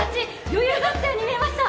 余裕があったように見えました。